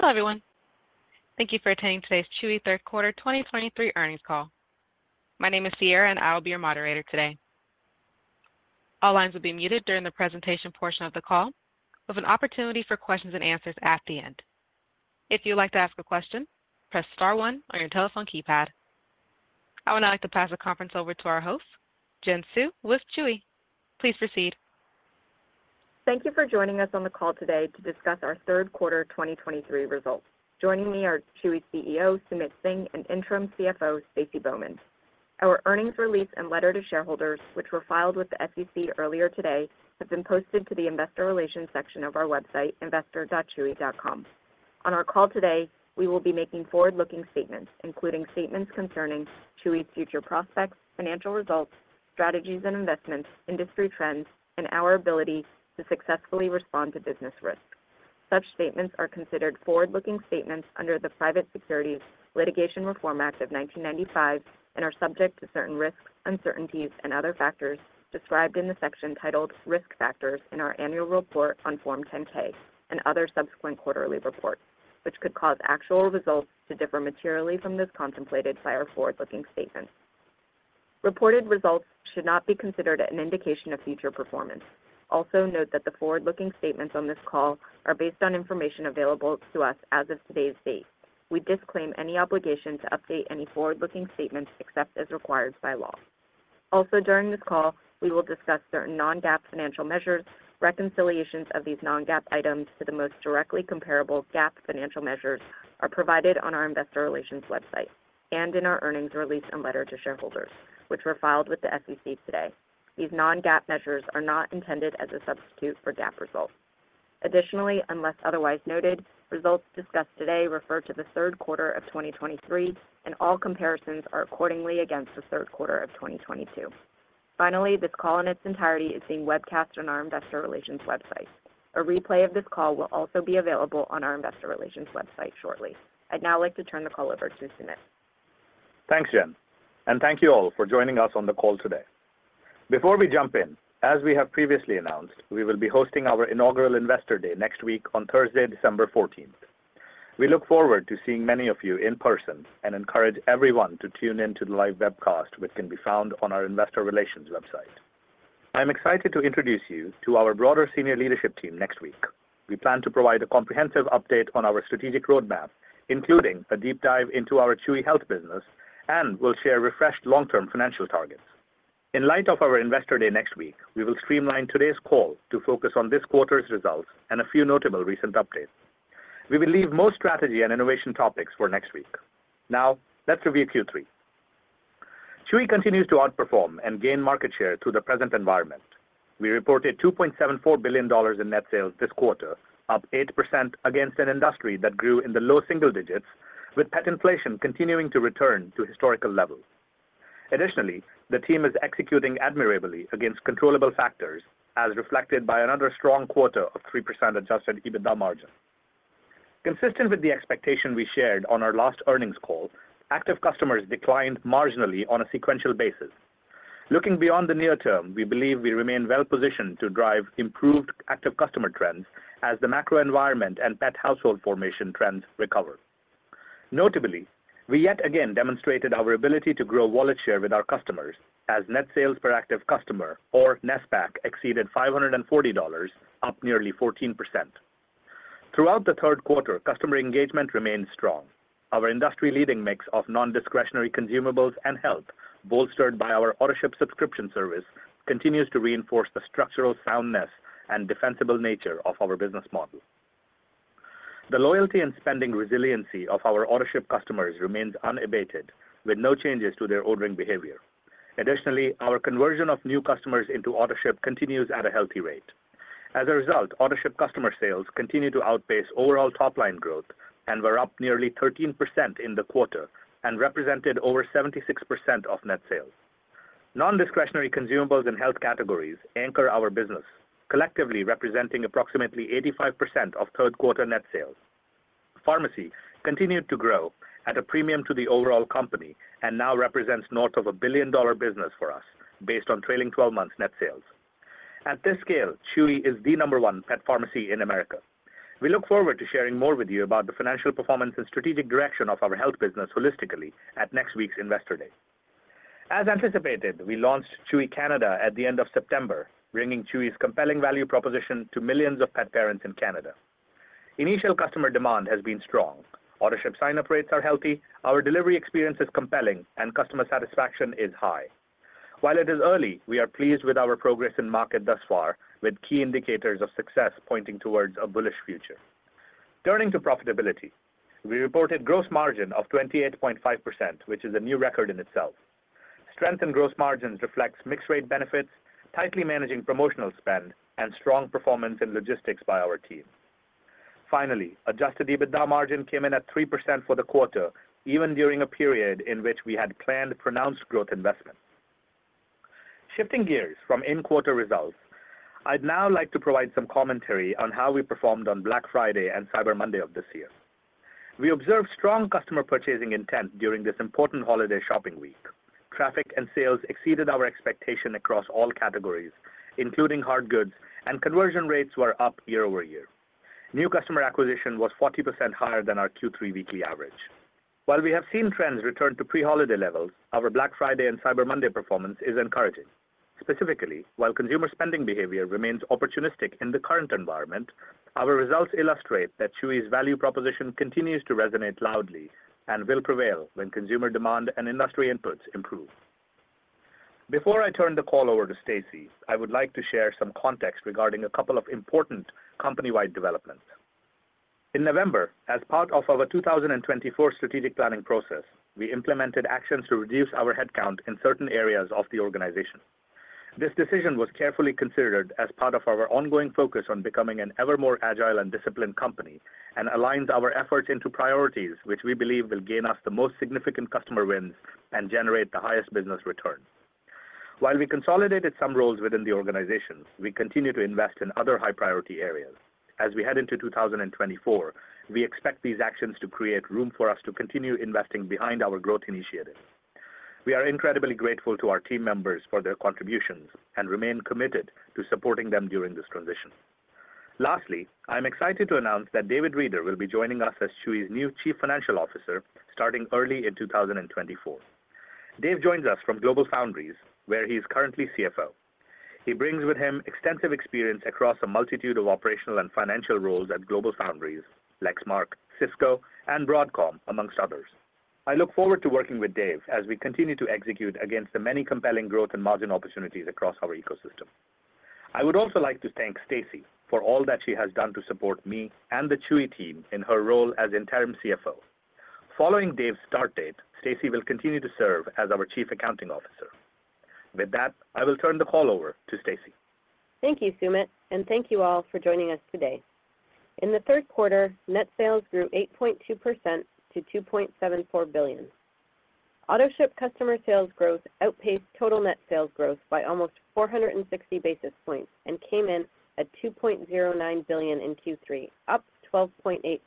Hello, everyone. Thank you for attending today's Chewy third quarter 2023 earnings call. My name is Sierra, and I will be your moderator today. All lines will be muted during the presentation portion of the call, with an opportunity for questions and answers at the end. If you'd like to ask a question, press star one on your telephone keypad. I would now like to pass the conference over to our host, Jen Hsu, with Chewy. Please proceed. Thank you for joining us on the call today to discuss our third quarter 2023 results. Joining me are Chewy's CEO, Sumit Singh, and Interim CFO, Stacy Bowman. Our earnings release and letter to shareholders, which were filed with the SEC earlier today, have been posted to the investor relations section of our website, investor.chewy.com. On our call today, we will be making forward-looking statements, including statements concerning Chewy's future prospects, financial results, strategies and investments, industry trends, and our ability to successfully respond to business risks. Such statements are considered forward-looking statements under the Private Securities Litigation Reform Act of 1995 and are subject to certain risks, uncertainties and other factors described in the section titled "Risk Factors" in our annual report on Form 10-K and other subsequent quarterly reports, which could cause actual results to differ materially from those contemplated by our forward-looking statements. Reported results should not be considered an indication of future performance. Also, note that the forward-looking statements on this call are based on information available to us as of today's date. We disclaim any obligation to update any forward-looking statements except as required by law. Also, during this call, we will discuss certain non-GAAP financial measures. Reconciliations of these non-GAAP items to the most directly comparable GAAP financial measures are provided on our investor relations website and in our earnings release and letter to shareholders, which were filed with the SEC today. These non-GAAP measures are not intended as a substitute for GAAP results. Additionally, unless otherwise noted, results discussed today refer to the third quarter of 2023, and all comparisons are accordingly against the third quarter of 2022. Finally, this call in its entirety is being webcast on our investor relations website. A replay of this call will also be available on our investor relations website shortly. I'd now like to turn the call over to Sumit. Thanks, Jen, and thank you all for joining us on the call today. Before we jump in, as we have previously announced, we will be hosting our inaugural Investor Day next week on Thursday, December fourteenth. We look forward to seeing many of you in person and encourage everyone to tune in to the live webcast, which can be found on our investor relations website. I'm excited to introduce you to our broader senior leadership team next week. We plan to provide a comprehensive update on our strategic roadmap, including a deep dive into our Chewy Health business, and we'll share refreshed long-term financial targets. In light of our Investor Day next week, we will streamline today's call to focus on this quarter's results and a few notable recent updates. We will leave most strategy and innovation topics for next week. Now, let's review Q3. Chewy continues to outperform and gain market share through the present environment. We reported $2.74 billion in net sales this quarter, up 8% against an industry that grew in the low single digits, with pet inflation continuing to return to historical levels. Additionally, the team is executing admirably against controllable factors, as reflected by another strong quarter of 3% adjusted EBITDA margin. Consistent with the expectation we shared on our last earnings call, active customers declined marginally on a sequential basis. Looking beyond the near term, we believe we remain well positioned to drive improved active customer trends as the macro environment and pet household formation trends recover. Notably, we yet again demonstrated our ability to grow wallet share with our customers as net sales per active customer, or NSPAC, exceeded $540, up nearly 14%. Throughout the third quarter, customer engagement remained strong. Our industry-leading mix of non-discretionary consumables and health, bolstered by our Autoship subscription service, continues to reinforce the structural soundness and defensible nature of our business model. The loyalty and spending resiliency of our Autoship customers remains unabated, with no changes to their ordering behavior. Additionally, our conversion of new customers into Autoship continues at a healthy rate. As a result, Autoship customer sales continue to outpace overall top-line growth and were up nearly 13% in the quarter and represented over 76% of net sales. Non-discretionary consumables and health categories anchor our business, collectively representing approximately 85% of third quarter net sales. Pharmacy continued to grow at a premium to the overall company and now represents north of a billion-dollar business for us, based on trailing twelve months net sales. At this scale, Chewy is the number one pet pharmacy in America. We look forward to sharing more with you about the financial performance and strategic direction of our health business holistically at next week's Investor Day. As anticipated, we launched Chewy Canada at the end of September, bringing Chewy's compelling value proposition to millions of pet parents in Canada. Initial customer demand has been strong. Autoship sign-up rates are healthy, our delivery experience is compelling, and customer satisfaction is high. While it is early, we are pleased with our progress in market thus far, with key indicators of success pointing towards a bullish future. Turning to profitability, we reported gross margin of 28.5%, which is a new record in itself. Strength in gross margins reflects mix rate benefits, tightly managing promotional spend, and strong performance in logistics by our team. Finally, Adjusted EBITDA margin came in at 3% for the quarter, even during a period in which we had planned pronounced growth investment. Shifting gears from in-quarter results, I'd now like to provide some commentary on how we performed on Black Friday and Cyber Monday of this year.... We observed strong customer purchasing intent during this important holiday shopping week. Traffic and sales exceeded our expectation across all categories, including hard goods, and conversion rates were up year-over-year. New customer acquisition was 40% higher than our Q3 weekly average. While we have seen trends return to pre-holiday levels, our Black Friday and Cyber Monday performance is encouraging. Specifically, while consumer spending behavior remains opportunistic in the current environment, our results illustrate that Chewy's value proposition continues to resonate loudly and will prevail when consumer demand and industry inputs improve. Before I turn the call over to Stacy, I would like to share some context regarding a couple of important company-wide developments. In November, as part of our 2024 strategic planning process, we implemented actions to reduce our headcount in certain areas of the organization. This decision was carefully considered as part of our ongoing focus on becoming an ever more agile and disciplined company, and aligns our efforts into priorities which we believe will gain us the most significant customer wins and generate the highest business return. While we consolidated some roles within the organization, we continue to invest in other high-priority areas. As we head into 2024, we expect these actions to create room for us to continue investing behind our growth initiatives. We are incredibly grateful to our team members for their contributions and remain committed to supporting them during this transition. Lastly, I am excited to announce that David Reeder will be joining us as Chewy's new Chief Financial Officer starting early in 2024. Dave joins us from GlobalFoundries, where he is currently CFO. He brings with him extensive experience across a multitude of operational and financial roles at GlobalFoundries, Lexmark, Cisco, and Broadcom, amongst others. I look forward to working with Dave as we continue to execute against the many compelling growth and margin opportunities across our ecosystem. I would also like to thank Stacy for all that she has done to support me and the Chewy team in her role as interim CFO. Following Dave's start date, Stacy will continue to serve as our Chief Accounting Officer. With that, I will turn the call over to Stacy. Thank you, Sumit, and thank you all for joining us today. In the third quarter, net sales grew 8.2% to $2.74 billion. Autoship customer sales growth outpaced total net sales growth by almost 460 basis points and came in at $2.09 billion in Q3, up 12.8%.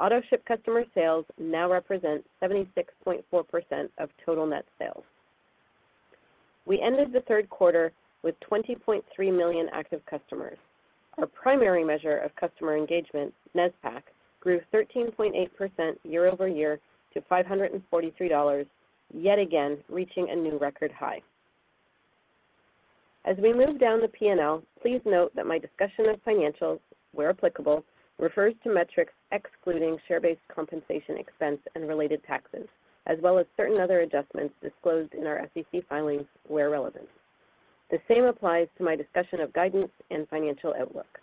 Autoship customer sales now represent 76.4% of total net sales. We ended the third quarter with 20.3 million active customers. Our primary measure of customer engagement, NSPAC, grew 13.8% year-over-year to $543, yet again, reaching a new record high. As we move down the P&L, please note that my discussion of financials, where applicable, refers to metrics excluding share-based compensation expense and related taxes, as well as certain other adjustments disclosed in our SEC filings where relevant. The same applies to my discussion of guidance and financial outlook.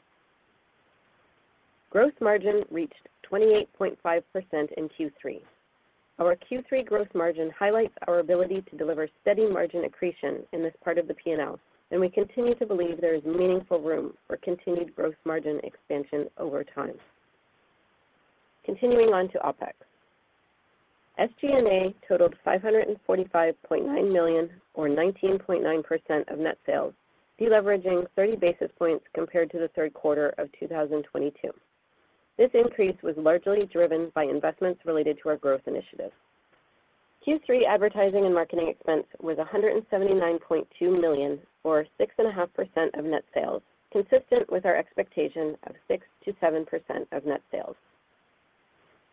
Gross margin reached 28.5% in Q3. Our Q3 gross margin highlights our ability to deliver steady margin accretion in this part of the P&L, and we continue to believe there is meaningful room for continued gross margin expansion over time. Continuing on to OpEx. SG&A totaled $545.9 million or 19.9% of net sales, deleveraging 30 basis points compared to the third quarter of 2022. This increase was largely driven by investments related to our growth initiatives. Q3 advertising and marketing expense was $179.2 million, or 6.5% of net sales, consistent with our expectation of 6%-7% of net sales.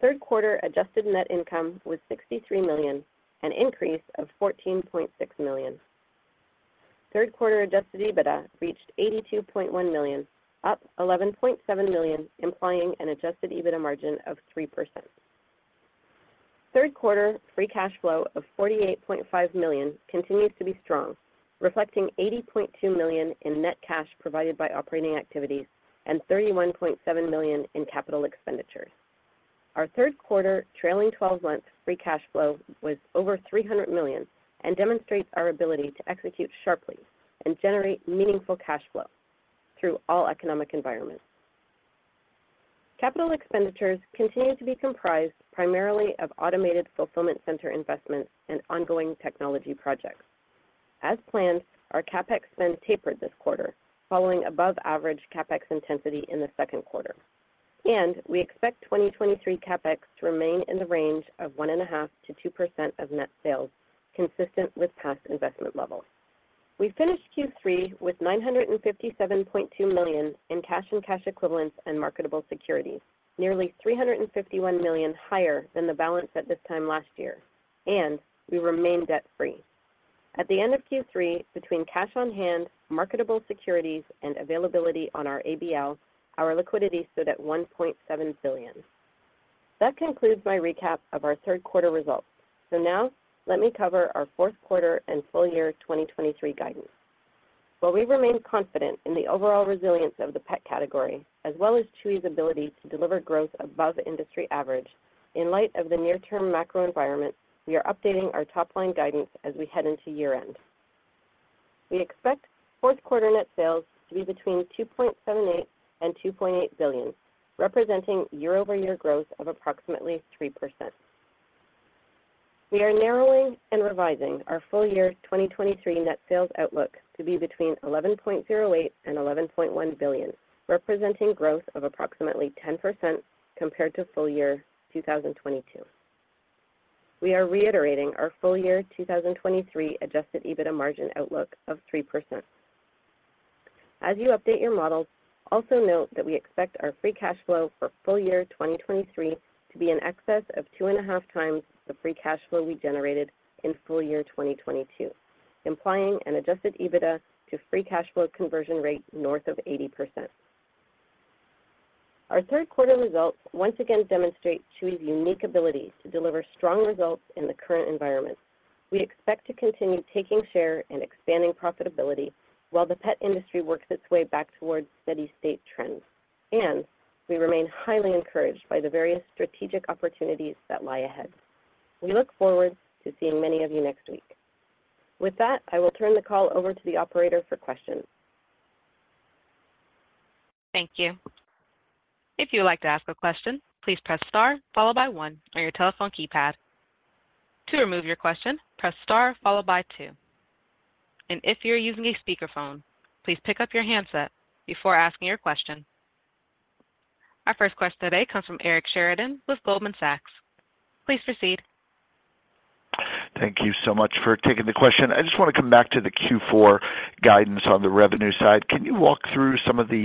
Third quarter adjusted net income was $63 million, an increase of $14.6 million. Third quarter adjusted EBITDA reached $82.1 million, up $11.7 million, implying an adjusted EBITDA margin of 3%. Third quarter free cash flow of $48.5 million continues to be strong, reflecting $80.2 million in net cash provided by operating activities and $31.7 million in capital expenditures. Our third quarter trailing twelve months free cash flow was over $300 million and demonstrates our ability to execute sharply and generate meaningful cash flow through all economic environments. Capital expenditures continue to be comprised primarily of automated fulfillment center investments and ongoing technology projects. As planned, our CapEx spend tapered this quarter, following above average CapEx intensity in the second quarter, and we expect 2023 CapEx to remain in the range of 1.5%-2% of net sales, consistent with past investment levels. We finished Q3 with $957.2 million in cash and cash equivalents and marketable securities, nearly $351 million higher than the balance at this time last year, and we remain debt-free. At the end of Q3, between cash on hand, marketable securities, and availability on our ABL, our liquidity stood at $1.7 billion. That concludes my recap of our third quarter results. So now, let me cover our fourth quarter and full year 2023 guidance. While we remain confident in the overall resilience of the pet category, as well as Chewy's ability to deliver growth above industry average, in light of the near term macro environment, we are updating our top-line guidance as we head into year-end. We expect fourth quarter net sales to be between $2.78 billion and $2.8 billion, representing year-over-year growth of approximately 3%.... We are narrowing and revising our full year 2023 net sales outlook to be between $11.08 billion and $11.1 billion, representing growth of approximately 10% compared to full year 2022. We are reiterating our full year 2023 adjusted EBITDA margin outlook of 3%. As you update your models, also note that we expect our free cash flow for full year 2023 to be in excess of 2.5 times the free cash flow we generated in full year 2022, implying an adjusted EBITDA to free cash flow conversion rate north of 80%. Our third quarter results once again demonstrate Chewy's unique ability to deliver strong results in the current environment. We expect to continue taking share and expanding profitability while the pet industry works its way back towards steady state trends, and we remain highly encouraged by the various strategic opportunities that lie ahead. We look forward to seeing many of you next week. With that, I will turn the call over to the operator for questions. Thank you. If you would like to ask a question, please press Star, followed by One on your telephone keypad. To remove your question, press Star, followed by Two. And if you're using a speakerphone, please pick up your handset before asking your question. Our first question today comes from Eric Sheridan with Goldman Sachs. Please proceed. Thank you so much for taking the question. I just want to come back to the Q4 guidance on the revenue side. Can you walk through some of the,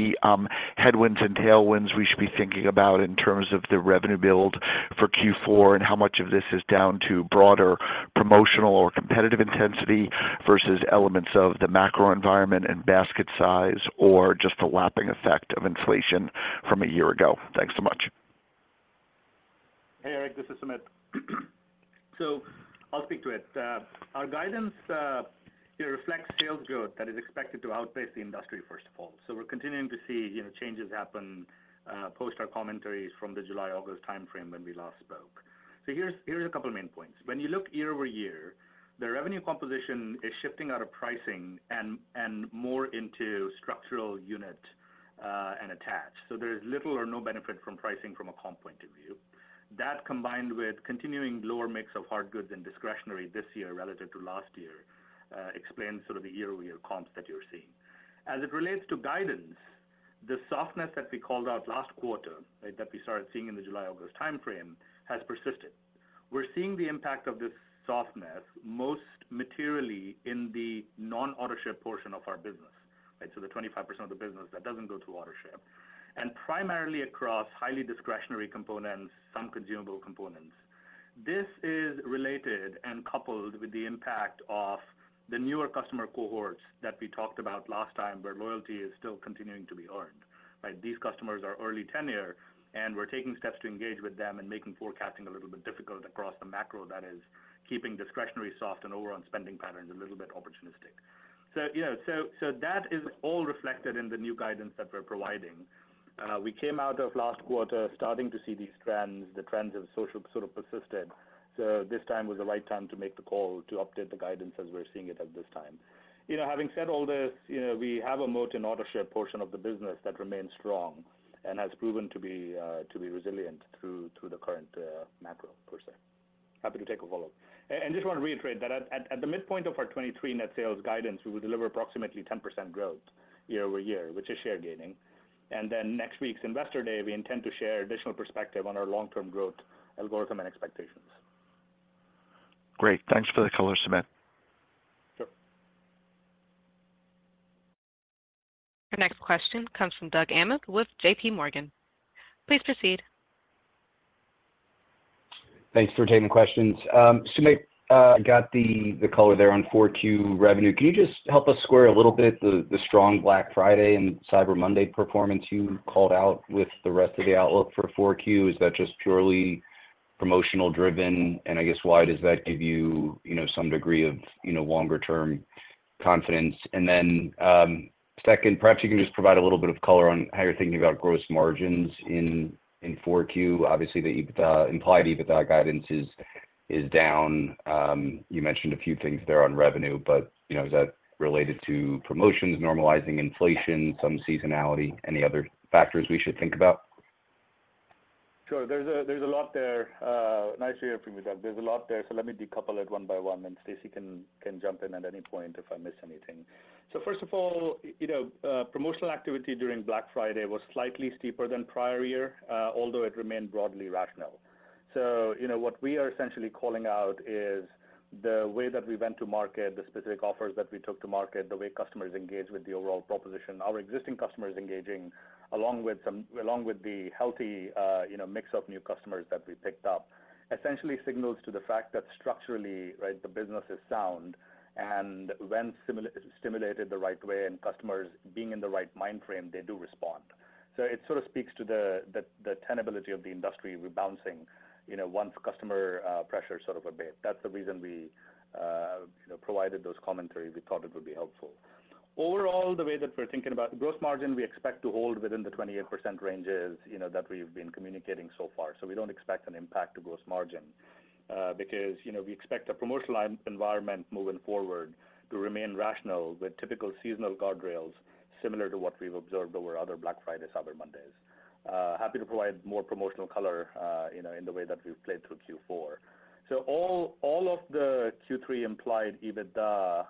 headwinds and tailwinds we should be thinking about in terms of the revenue build for Q4, and how much of this is down to broader promotional or competitive intensity versus elements of the macro environment and basket size, or just the lapping effect of inflation from a year ago? Thanks so much. Hey, Eric, this is Sumit. So I'll speak to it. Our guidance, it reflects sales growth that is expected to outpace the industry, first of all. So we're continuing to see, you know, changes happen, post our commentaries from the July, August timeframe when we last spoke. So here's, here's a couple of main points. When you look year-over-year, the revenue composition is shifting out of pricing and, and more into structural unit, and attach. So there's little or no benefit from pricing from a comp point of view. That, combined with continuing lower mix of hard goods and discretionary this year relative to last year, explains sort of the year-over-year comps that you're seeing. As it relates to guidance, the softness that we called out last quarter, right, that we started seeing in the July/August timeframe, has persisted. We're seeing the impact of this softness most materially in the non-Autoship portion of our business, right? So the 25% of the business that doesn't go to Autoship, and primarily across highly discretionary components, some consumable components. This is related and coupled with the impact of the newer customer cohorts that we talked about last time, where loyalty is still continuing to be earned, right? These customers are early tenure, and we're taking steps to engage with them and making forecasting a little bit difficult across the macro that is keeping discretionary soft and overall spending patterns a little bit opportunistic. So, you know, so, so that is all reflected in the new guidance that we're providing. We came out of last quarter starting to see these trends. The trends have sort of, sort of persisted, so this time was the right time to make the call to update the guidance as we're seeing it at this time. You know, having said all this, you know, we have a moat in Autoship portion of the business that remains strong and has proven to be resilient through the current macro per se. Happy to take a follow-up. Just want to reiterate that at the midpoint of our 2023 net sales guidance, we will deliver approximately 10% growth year-over-year, which is share gaining. Then next week's Investor Day, we intend to share additional perspective on our long-term growth algorithm and expectations. Great. Thanks for the color, Sumit. Sure. Our next question comes from Doug Anmuth, with JP Morgan. Please proceed. Thanks for taking questions. Sumit, got the color there on 4Q revenue. Can you just help us square a little bit the strong Black Friday and Cyber Monday performance you called out with the rest of the outlook for 4Q? Is that just purely promotional driven? And I guess, why does that give you, you know, some degree of, you know, longer term confidence? And then, second, perhaps you can just provide a little bit of color on how you're thinking about gross margins in 4Q. Obviously, the EBITDA, implied EBITDA guidance is down. You mentioned a few things there on revenue, but, you know, is that related to promotions, normalizing inflation, some seasonality? Any other factors we should think about? Sure. There's a lot there. Nice to hear from you, Doug. There's a lot there, so let me decouple it one by one, and Stacy can jump in at any point if I miss anything. So first of all, you know, promotional activity during Black Friday was slightly steeper than prior year, although it remained broadly rational. So you know, what we are essentially calling out is the way that we went to market, the specific offers that we took to market, the way customers engaged with the overall proposition. Our existing customers engaging along with the healthy, you know, mix of new customers that we picked up, essentially signals to the fact that structurally, right, the business is sound and when stimulated the right way and customers being in the right mind frame, they do respond. So it sort of speaks to the tenability of the industry rebounding, you know, once customer pressure sort of abates. That's the reason we provided those commentary. We thought it would be helpful. Overall, the way that we're thinking about the gross margin, we expect to hold within the 28% ranges, you know, that we've been communicating so far. So we don't expect an impact to gross margin, because, you know, we expect a promotional environment moving forward to remain rational, with typical seasonal guardrails similar to what we've observed over other Black Friday, Cyber Mondays.... Happy to provide more promotional color, you know, in the way that we've played through Q4. So all, all of the Q3 implied EBITDA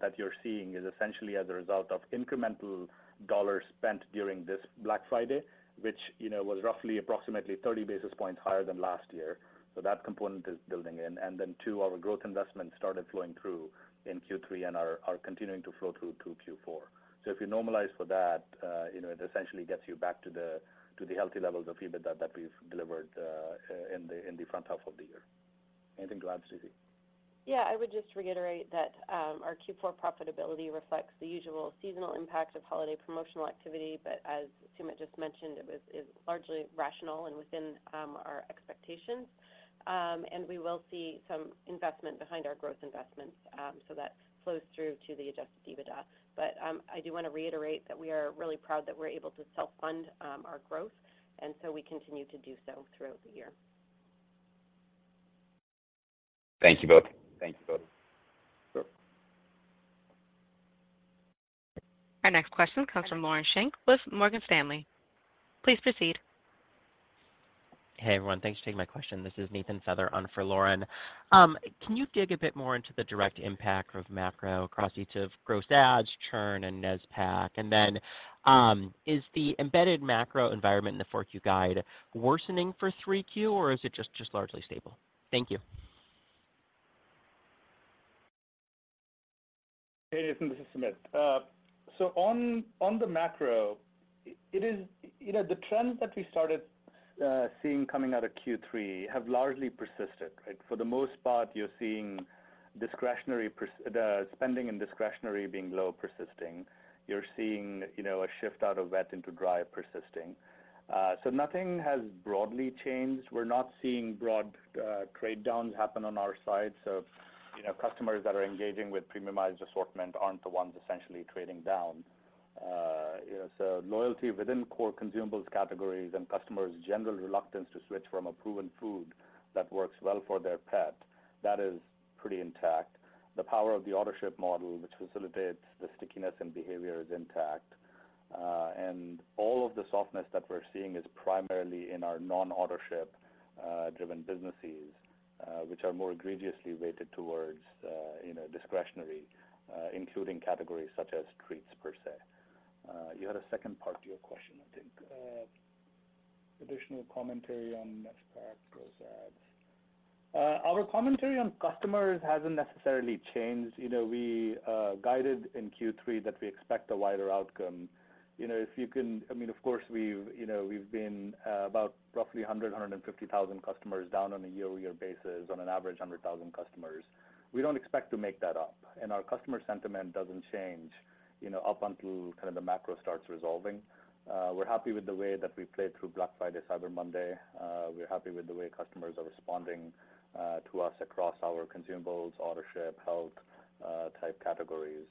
that you're seeing is essentially as a result of incremental dollars spent during this Black Friday, which, you know, was roughly approximately 30 basis points higher than last year. So that component is building in. And then two, our growth investments started flowing through in Q3 and are continuing to flow through to Q4. So if you normalize for that, you know, it essentially gets you back to the healthy levels of EBITDA that we've delivered in the front half of the year. Anything to add, Stacy? Yeah, I would just reiterate that our Q4 profitability reflects the usual seasonal impact of holiday promotional activity, but as Sumit just mentioned, it was, is largely rational and within our expectations. And we will see some investment behind our growth investments, so that flows through to the Adjusted EBITDA. But I do wanna reiterate that we are really proud that we're able to self-fund our growth, and so we continue to do so throughout the year. Thank you both. Thank you both. Our next question comes from Lauren Schenk with Morgan Stanley. Please proceed. Hey, everyone. Thanks for taking my question. This is Nathan Feather on for Lauren. Can you dig a bit more into the direct impact of macro across each of gross adds, churn, and NSPAC? And then, is the embedded macro environment in the 4Q guide worsening for 3Q, or is it just, just largely stable? Thank you. Hey, Nathan, this is Sumit. So on the macro, it is. You know, the trends that we started seeing coming out of Q3 have largely persisted, right? For the most part, you're seeing discretionary spending and discretionary being low persisting. You're seeing, you know, a shift out of wet into dry persisting. So nothing has broadly changed. We're not seeing broad trade downs happen on our side. So, you know, customers that are engaging with premiumized assortment aren't the ones essentially trading down. So loyalty within core consumables categories and customers' general reluctance to switch from a proven food that works well for their pet, that is pretty intact. The power of the Autoship model, which facilitates the stickiness and behavior, is intact. And all of the softness that we're seeing is primarily in our non-Autoship driven businesses, which are more egregiously weighted towards, you know, discretionary, including categories such as treats per se. You had a second part to your question, I think, additional commentary on net pack gross adds. Our commentary on customers hasn't necessarily changed. You know, we guided in Q3 that we expect a wider outcome. You know, if you can, I mean, of course, we've, you know, we've been about roughly 100-150 thousand customers down on a year-over-year basis on an average 100 thousand customers. We don't expect to make that up, and our customer sentiment doesn't change, you know, up until kind of the macro starts resolving. We're happy with the way that we played through Black Friday, Cyber Monday. We're happy with the way customers are responding to us across our Consumables, Autoship, Health type categories.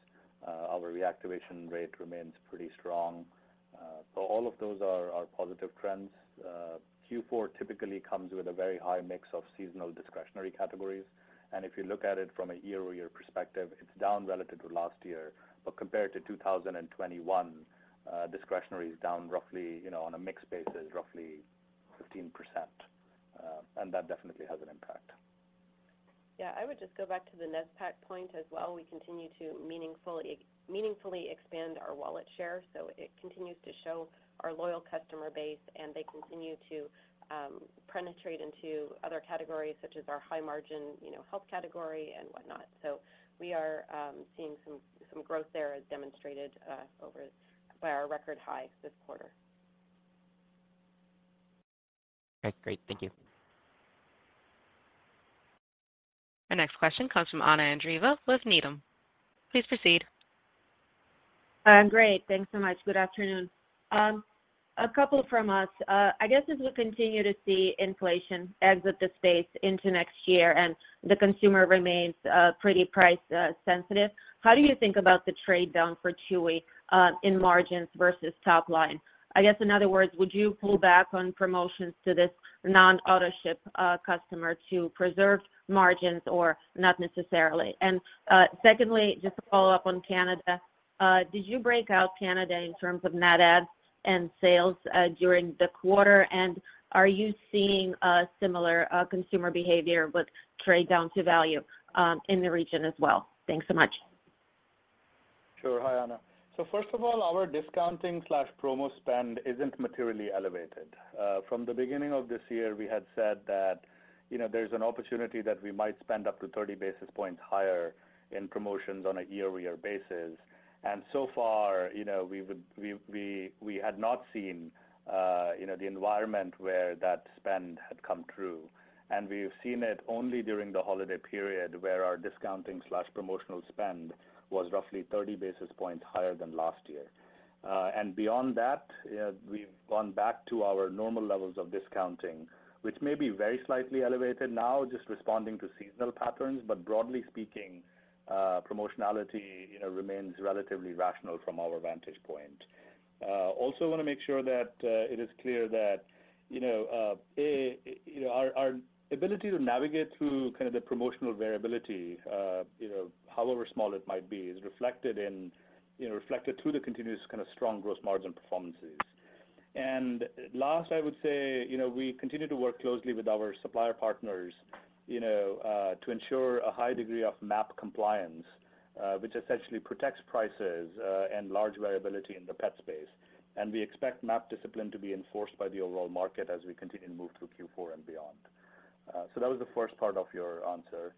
Our reactivation rate remains pretty strong. So all of those are positive trends. Q4 typically comes with a very high mix of seasonal discretionary categories, and if you look at it from a year-over-year perspective, it's down relative to last year. But compared to 2021, discretionary is down roughly, you know, on a mixed basis, roughly 15%. And that definitely has an impact. Yeah, I would just go back to the NSPAC point as well. We continue to meaningfully expand our wallet share, so it continues to show our loyal customer base, and they continue to penetrate into other categories such as our high-margin, you know, health category and whatnot. So we are seeing some growth there as demonstrated by our record high this quarter. Okay, great. Thank you. Our next question comes from Anna Andreeva with Needham. Please proceed. Great. Thanks so much. Good afternoon. A couple from us. I guess as we continue to see inflation exit the space into next year, and the consumer remains pretty price sensitive, how do you think about the trade down for Chewy in margins versus top line? I guess, in other words, would you pull back on promotions to this non-Autoship customer to preserve margins or not necessarily? Secondly, just to follow up on Canada, did you break out Canada in terms of net adds and sales during the quarter? And are you seeing a similar consumer behavior with trade down to value in the region as well? Thanks so much. Sure. Hi, Anna. So first of all, our discounting/promo spend isn't materially elevated. From the beginning of this year, we had said that, you know, there's an opportunity that we might spend up to 30 basis points higher in promotions on a year-over-year basis. And so far, you know, we had not seen, you know, the environment where that spend had come true. And we've seen it only during the holiday period, where our discounting/promotional spend was roughly 30 basis points higher than last year. And beyond that, we've gone back to our normal levels of discounting, which may be very slightly elevated now, just responding to seasonal patterns. But broadly speaking, promotionality, you know, remains relatively rational from our vantage point. Also wanna make sure that, it is clear that-... You know, you know, our ability to navigate through kind of the promotional variability, you know, however small it might be, is reflected in, you know, reflected through the continuous kind of strong gross margin performances. And last, I would say, you know, we continue to work closely with our supplier partners, you know, to ensure a high degree of MAP compliance, which essentially protects prices and large variability in the pet space. And we expect MAP discipline to be enforced by the overall market as we continue to move through Q4 and beyond. So that was the first part of your answer.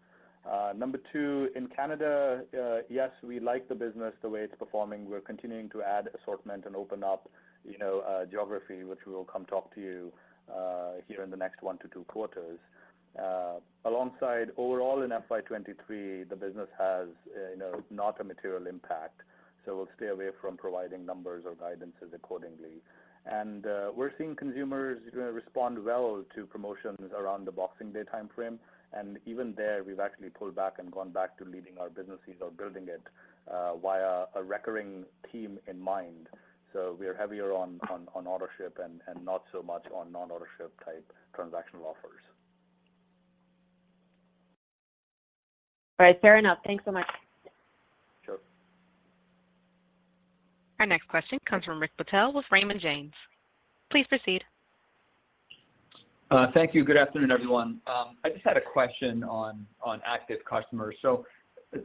Number 2, in Canada, yes, we like the business, the way it's performing. We're continuing to add assortment and open up, you know, geography, which we will come talk to you here in the next 1 to 2 quarters. Alongside, overall in FY 2023, the business has, you know, not a material impact, so we'll stay away from providing numbers or guidances accordingly. And, we're seeing consumers, you know, respond well to promotions around the Boxing Day timeframe, and even there, we've actually pulled back and gone back to leading our businesses or building it via a recurring team in mind. So we are heavier on ownership and not so much on non-ownership type transactional offers. Right. Fair enough. Thanks so much. Sure. Our next question comes from Rick Patel with Raymond James. Please proceed. Thank you. Good afternoon, everyone. I just had a question on active customers. So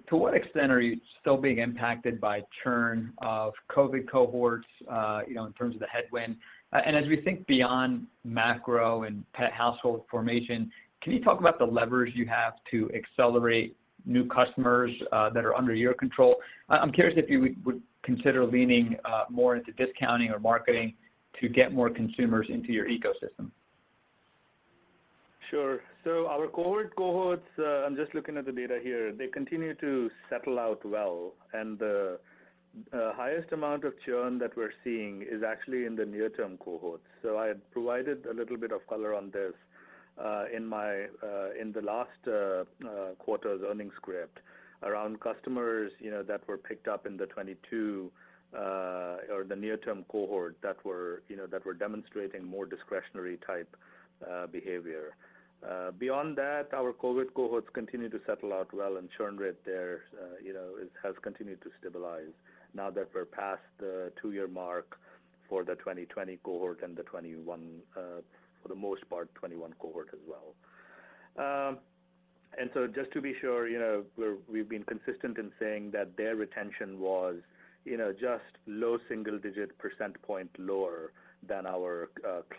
to what extent are you still being impacted by churn of COVID cohorts, you know, in terms of the headwind? And as we think beyond macro and pet household formation, can you talk about the levers you have to accelerate new customers that are under your control? I'm curious if you would consider leaning more into discounting or marketing to get more consumers into your ecosystem. Sure. So our COVID cohorts, I'm just looking at the data here. They continue to settle out well, and the highest amount of churn that we're seeing is actually in the near-term cohorts. So I had provided a little bit of color on this, in my, in the last, quarter's earnings script around customers, you know, that were picked up in the 2022, or the near-term cohort that were, you know, that were demonstrating more discretionary type, behavior. Beyond that, our COVID cohorts continue to settle out well, and churn rate there, you know, it has continued to stabilize now that we're past the 2-year mark for the 2020 cohort and the 2021, for the most part, 2021 cohort as well. And so just to be sure, you know, we've been consistent in saying that their retention was, you know, just low single-digit percentage point lower than our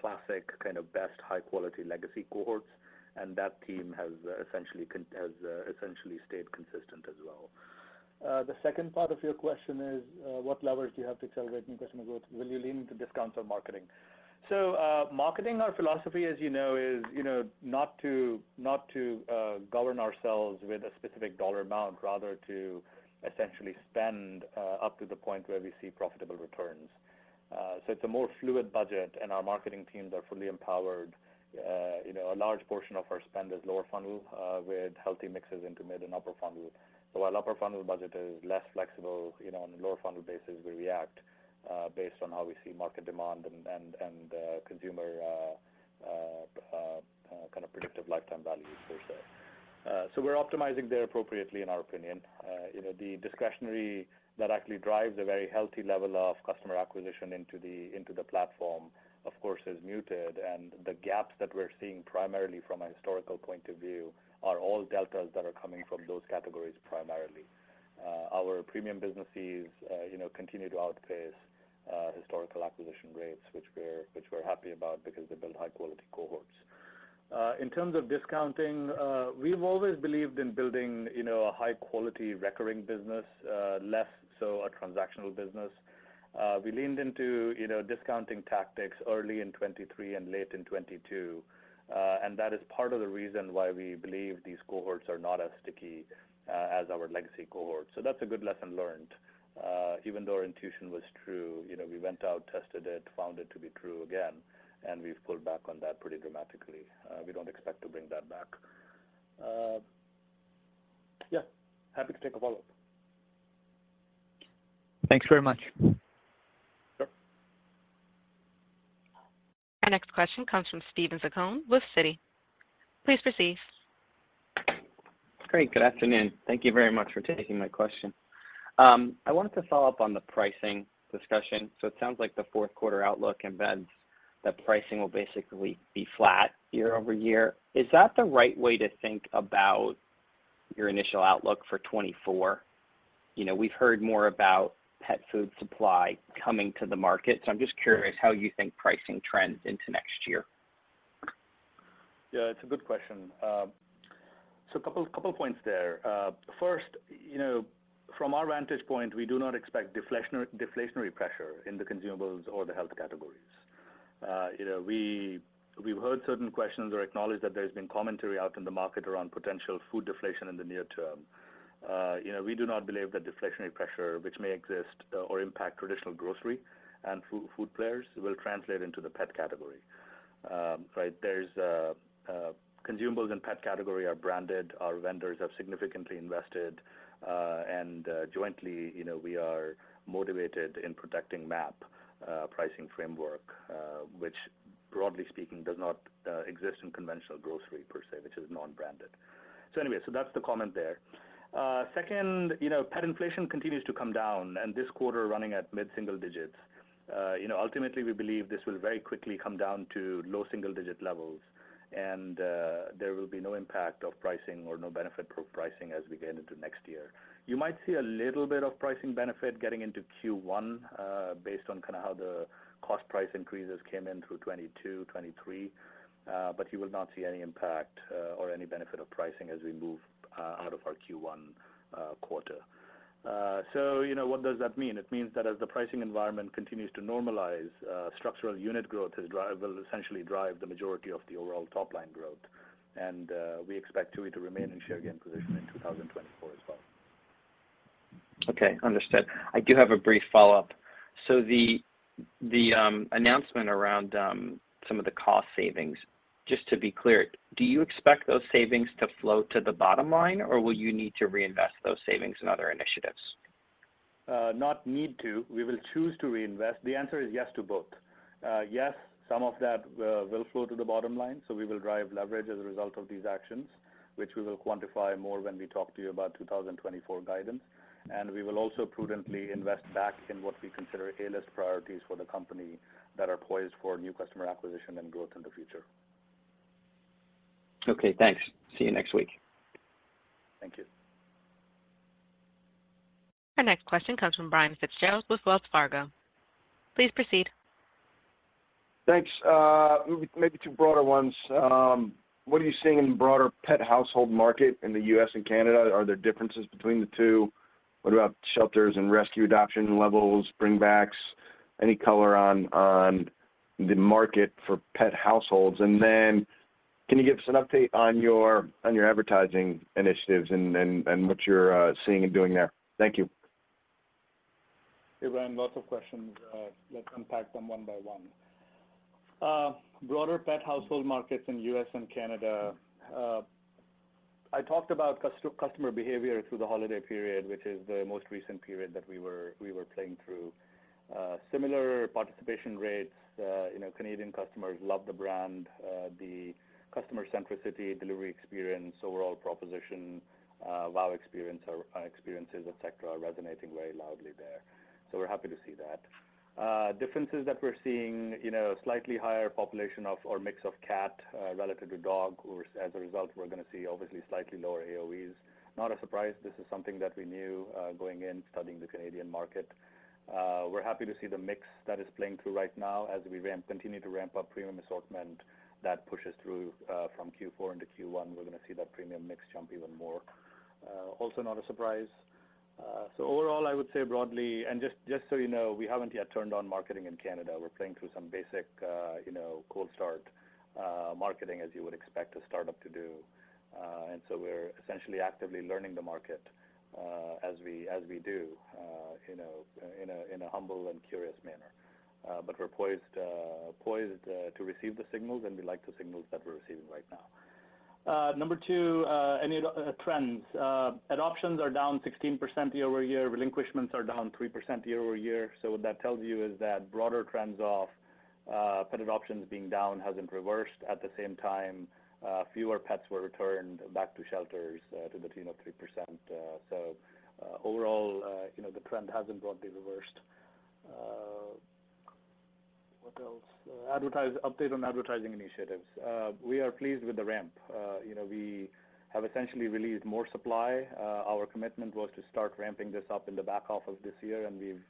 classic kind of best high-quality legacy cohorts, and that team has essentially stayed consistent as well. The second part of your question is, what levers do you have to accelerate new customer growth? Will you lean into discounts or marketing? So, marketing, our philosophy, as you know, is, you know, not to, not to govern ourselves with a specific dollar amount, rather to essentially spend up to the point where we see profitable returns. So it's a more fluid budget, and our marketing teams are fully empowered. You know, a large portion of our spend is lower funnel with healthy mixes into mid and upper funnel. So our upper funnel budget is less flexible, you know, on a lower funnel basis, we react based on how we see market demand and consumer kind of predictive lifetime values per se. So we're optimizing there appropriately, in our opinion. You know, the discretionary that actually drives a very healthy level of customer acquisition into the platform, of course, is muted, and the gaps that we're seeing, primarily from a historical point of view, are all deltas that are coming from those categories primarily. Our premium businesses, you know, continue to outpace historical acquisition rates, which we're happy about because they build high-quality cohorts. In terms of discounting, we've always believed in building, you know, a high-quality, recurring business, less so a transactional business. We leaned into, you know, discounting tactics early in 2023 and late in 2022, and that is part of the reason why we believe these cohorts are not as sticky as our legacy cohorts. So that's a good lesson learned. Even though our intuition was true, you know, we went out, tested it, found it to be true again, and we've pulled back on that pretty dramatically. We don't expect to bring that back. Yeah, happy to take a follow-up. Thanks very much. Sure. Our next question comes from Steven Zaccone with Citi. Please proceed. Great. Good afternoon. Thank you very much for taking my question. I wanted to follow up on the pricing discussion. So it sounds like the fourth quarter outlook embeds that pricing will basically be flat year-over-year. Is that the right way to think about your initial outlook for 2024? You know, we've heard more about pet food supply coming to the market, so I'm just curious how you think pricing trends into next year. Yeah, it's a good question. So a couple of points there. First, you know, from our vantage point, we do not expect deflationary pressure in the Consumables or the health categories. You know, we've heard certain questions or acknowledged that there's been commentary out in the market around potential food deflation in the near term. You know, we do not believe that deflationary pressure, which may exist, or impact traditional grocery and food players, will translate into the pet category... Right? There's consumables and pet category are branded. Our vendors have significantly invested, and jointly, you know, we are motivated in protecting MAP pricing framework, which, broadly speaking, does not exist in conventional grocery per se, which is non-branded. So anyway, that's the comment there. Second, you know, pet inflation continues to come down, and this quarter running at mid-single digits. You know, ultimately, we believe this will very quickly come down to low single-digit levels, and there will be no impact of pricing or no benefit for pricing as we get into next year. You might see a little bit of pricing benefit getting into Q1, based on kind of how the cost price increases came in through 2022, 2023, but you will not see any impact, or any benefit of pricing as we move out of our Q1 quarter. So, you know, what does that mean? It means that as the pricing environment continues to normalize, structural unit growth will essentially drive the majority of the overall top line growth, and we expect Chewy to remain in share gain position in 2024 as well. Okay, understood. I do have a brief follow-up. So the announcement around some of the cost savings, just to be clear, do you expect those savings to flow to the bottom line, or will you need to reinvest those savings in other initiatives? No need to. We will choose to reinvest. The answer is yes to both. Yes, some of that will flow to the bottom line, so we will drive leverage as a result of these actions, which we will quantify more when we talk to you about 2024 guidance. And we will also prudently invest back in what we consider A-list priorities for the company that are poised for new customer acquisition and growth in the future. Okay, thanks. See you next week. Thank you. Our next question comes from Brian Fitzgerald with Wells Fargo. Please proceed. Thanks. Maybe two broader ones. What are you seeing in the broader pet household market in the US and Canada? Are there differences between the two? What about shelters and rescue adoption levels, bring backs, any color on the market for pet households? And then can you give us an update on your advertising initiatives and what you're seeing and doing there? Thank you. Hey, Brian, lots of questions. Let's unpack them one by one. Broader pet household markets in U.S. and Canada. I talked about customer behavior through the holiday period, which is the most recent period that we were playing through. Similar participation rates, you know, Canadian customers love the brand, the customer centricity, delivery experience, overall proposition, wow experience or experiences, et cetera, are resonating very loudly there. So we're happy to see that. Differences that we're seeing, you know, slightly higher population of or mix of cat relative to dog. As a result, we're gonna see obviously slightly lower AOVs. Not a surprise, this is something that we knew going in, studying the Canadian market. We're happy to see the mix that is playing through right now as we ramp... Continue to ramp up premium assortment that pushes through from Q4 into Q1, we're gonna see that premium mix jump even more. Also not a surprise. So overall, I would say broadly, and just, just so you know, we haven't yet turned on marketing in Canada. We're playing through some basic, you know, cold start marketing, as you would expect a startup to do. And so we're essentially actively learning the market, as we do, you know, in a humble and curious manner. But we're poised to receive the signals, and we like the signals that we're receiving right now. Number 2, any trends. Adoptions are down 16% year-over-year. Relinquishments are down 3% year-over-year. So what that tells you is that broader trends of pet adoptions being down hasn't reversed. At the same time, fewer pets were returned back to shelters to the tune of 3%. So overall, you know, the trend hasn't broadly reversed. What else? Advertising update on advertising initiatives. We are pleased with the ramp. You know, we have essentially released more supply. Our commitment was to start ramping this up in the back half of this year, and we've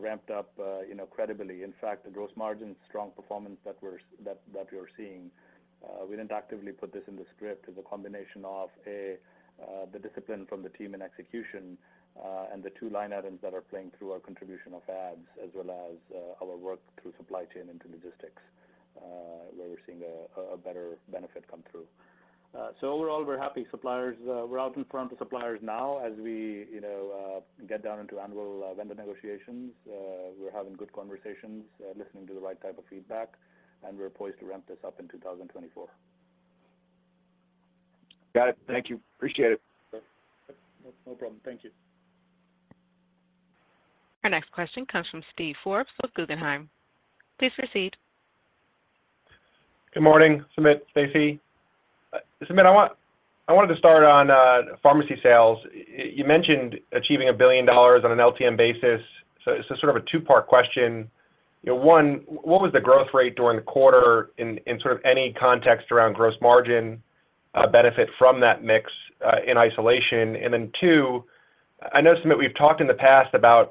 ramped up, you know, credibly. In fact, the gross margin strong performance that we are seeing, we didn't actively put this in the script. It's a combination of, a, the discipline from the team and execution, and the two line items that are playing through our contribution of ads, as well as, our work through supply chain into logistics, where we're seeing a better benefit come through. So overall, we're happy. Suppliers, we're out in front of suppliers now as we, you know, get down into annual vendor negotiations. We're having good conversations, listening to the right type of feedback, and we're poised to ramp this up in 2024. Got it. Thank you. Appreciate it. No, no problem. Thank you. Our next question comes from Steve Forbes with Guggenheim. Please proceed. Good morning, Sumit, Stacy. Sumit, I want- I wanted to start on pharmacy sales. You mentioned achieving $1 billion on an LTM basis. So it's a sort of a two-part question. You know, one, what was the growth rate during the quarter in sort of any context around gross margin benefit from that mix in isolation? And then two, I know, Sumit, we've talked in the past about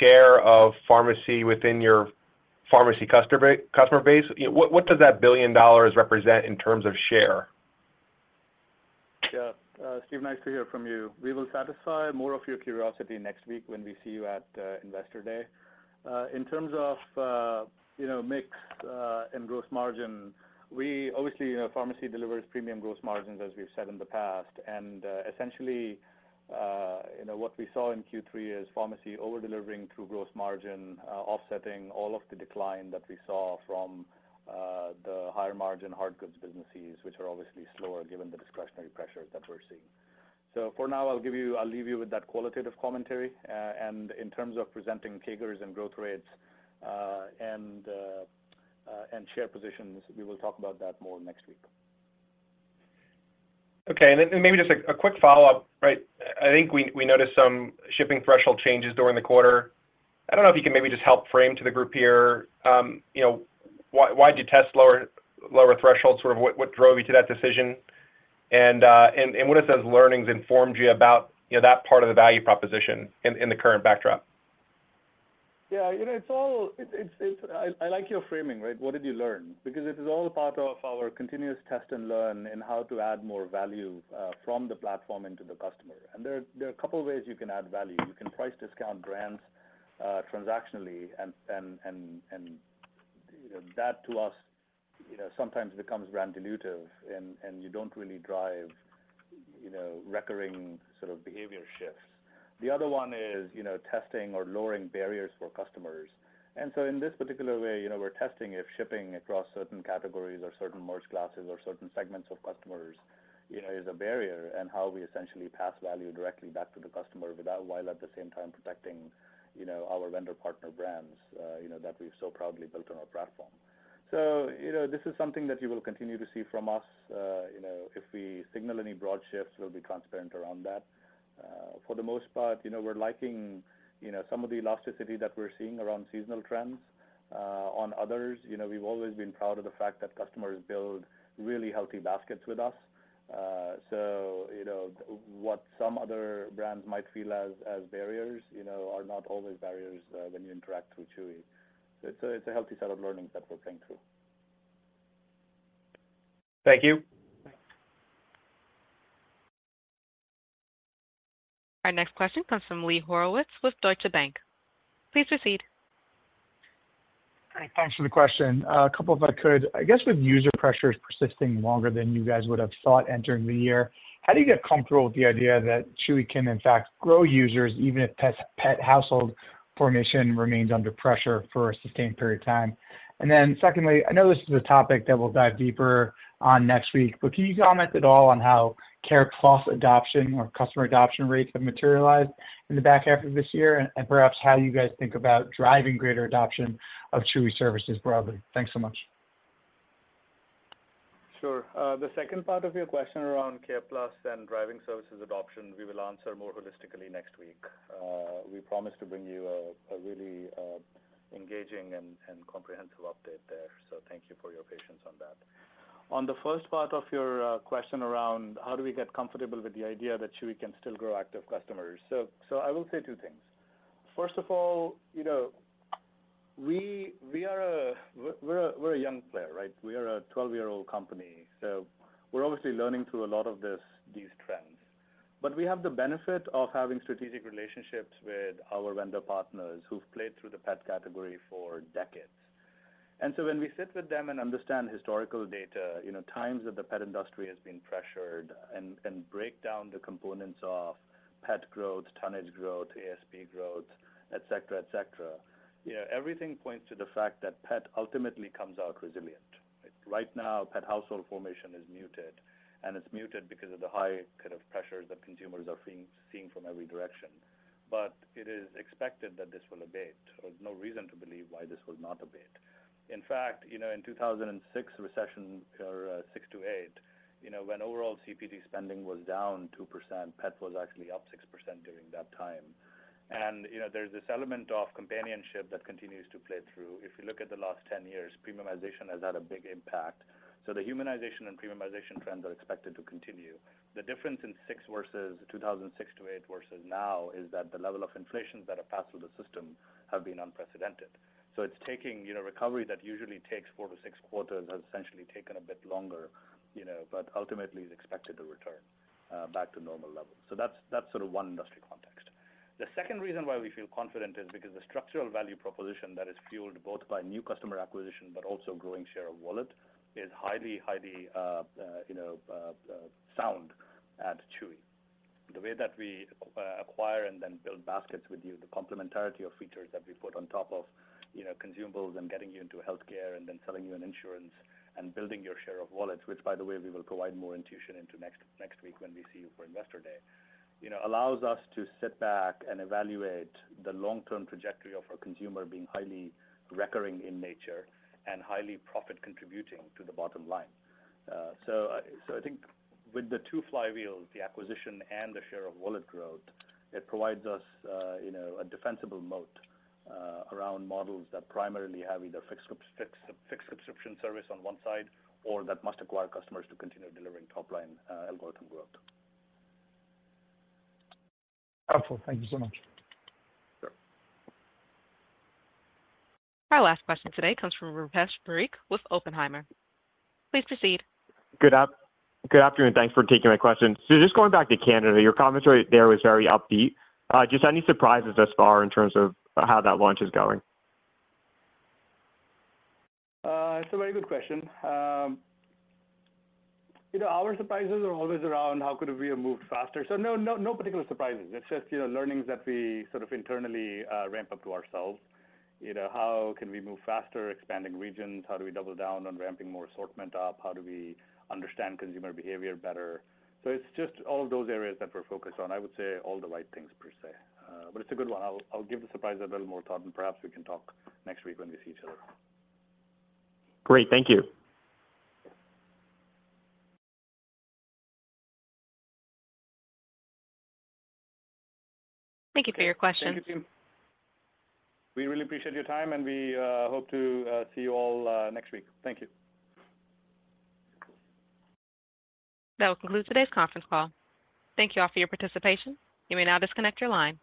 share of pharmacy within your pharmacy customer base. What does that $1 billion represent in terms of share? Yeah. Steve, nice to hear from you. We will satisfy more of your curiosity next week when we see you at Investor Day. In terms of, you know, mix and gross margin, we obviously, you know, pharmacy delivers premium gross margins, as we've said in the past. And essentially, you know, what we saw in Q3 is pharmacy over-delivering through gross margin, offsetting all of the decline that we saw from the higher margin hard goods businesses, which are obviously slower given the discretionary pressures that we're seeing. So for now, I'll leave you with that qualitative commentary. And in terms of presenting CAGRs and growth rates and share positions, we will talk about that more next week. Okay. And then maybe just a quick follow-up, right? I think we noticed some shipping threshold changes during the quarter. I don't know if you can maybe just help frame to the group here, you know, why'd you test lower thresholds? Sort of what drove you to that decision? And what does those learnings informed you about, you know, that part of the value proposition in the current backdrop? Yeah, you know, it's all, it's. I like your framing, right? What did you learn? Because it is all part of our continuous test and learn in how to add more value from the platform into the customer. And there are a couple of ways you can add value. You can price discount brands transactionally, and that, to us, you know, sometimes becomes brand dilutive, and you don't really drive, you know, recurring sort of behavior shifts. The other one is, you know, testing or lowering barriers for customers. And so in this particular way, you know, we're testing if shipping across certain categories or certain merch classes or certain segments of customers, you know, is a barrier, and how we essentially pass value directly back to the customer without while at the same time protecting, you know, our vendor partner brands, you know, that we've so proudly built on our platform. So, you know, this is something that you will continue to see from us. You know, if we signal any broad shifts, we'll be transparent around that. For the most part, you know, we're liking, you know, some of the elasticity that we're seeing around seasonal trends. On others, you know, we've always been proud of the fact that customers build really healthy baskets with us. So, you know, what some other brands might feel as barriers when you interact through Chewy. So it's a healthy set of learnings that we're going through. Thank you. Our next question comes from Lee Horowitz with Deutsche Bank. Please proceed. Hi, thanks for the question. A couple, if I could. I guess, with user pressures persisting longer than you guys would have thought entering the year, how do you get comfortable with the idea that Chewy can, in fact, grow users, even if pet, pet household formation remains under pressure for a sustained period of time? And then secondly, I know this is a topic that we'll dive deeper on next week, but can you comment at all on how CarePlus adoption or customer adoption rates have materialized in the back half of this year, and, and perhaps how you guys think about driving greater adoption of Chewy services broadly? Thanks so much. Sure. The second part of your question around Care Plus and driving services adoption, we will answer more holistically next week. We promise to bring you a really engaging and comprehensive update there, so thank you for your patience on that. On the first part of your question around how do we get comfortable with the idea that Chewy can still grow active customers. So I will say two things. First of all, you know, we're a young player, right? We are a 12-year-old company, so we're obviously learning through a lot of these trends. But we have the benefit of having strategic relationships with our vendor partners who've played through the pet category for decades. And so when we sit with them and understand historical data, you know, times that the pet industry has been pressured, and break down the components of pet growth, tonnage growth, ASP growth, et cetera, et cetera, you know, everything points to the fact that pet ultimately comes out resilient. Right now, pet household formation is muted, and it's muted because of the high kind of pressures that consumers are seeing from every direction. But it is expected that this will abate. There's no reason to believe why this will not abate. In fact, you know, in 2006 recession, or 6-8, you know, when overall CPG spending was down 2%, pet was actually up 6% during that time. And, you know, there's this element of companionship that continues to play through. If you look at the last 10 years, premiumization has had a big impact. So the humanization and premiumization trends are expected to continue. The difference in 6 versus—2006-2008 versus now is that the level of inflation that have passed through the system have been unprecedented. So it's taking, you know, recovery that usually takes 4-6 quarters, has essentially taken a bit longer, you know, but ultimately is expected to return back to normal levels. So that's, that's sort of one industry context. The second reason why we feel confident is because the structural value proposition that is fueled both by new customer acquisition, but also growing share of wallet, is highly, highly, you know, sound at Chewy. The way that we acquire and then build baskets with you, the complementarity of features that we put on top of, you know, consumables and getting you into healthcare and then selling you an insurance and building your share of wallets, which, by the way, we will provide more intuition into next, next week when we see you for Investor Day, you know, allows us to sit back and evaluate the long-term trajectory of our consumer being highly recurring in nature and highly profit contributing to the bottom line. So, I think with the two flywheels, the acquisition and the share of wallet growth, it provides us, you know, a defensible moat, around models that primarily have either fixed, fixed subscription service on one side or that must acquire customers to continue delivering top-line, algorithm growth. Powerful. Thank you so much. Sure. Our last question today comes from Rupesh Parikh with Oppenheimer. Please proceed. Good afternoon. Thanks for taking my question. Just going back to Canada, your commentary there was very upbeat. Just any surprises thus far in terms of how that launch is going? It's a very good question. You know, our surprises are always around how could we have moved faster? So no, no, no particular surprises. It's just, you know, learnings that we sort of internally ramp up to ourselves. You know, how can we move faster, expanding regions? How do we double down on ramping more assortment up? How do we understand consumer behavior better? So it's just all of those areas that we're focused on. I would say all the right things per se, but it's a good one. I'll give the surprise a little more thought, and perhaps we can talk next week when we see each other. Great. Thank you. Thank you for your question. Thank you, team. We really appreciate your time, and we hope to see you all next week. Thank you. That will conclude today's conference call. Thank you all for your participation. You may now disconnect your line.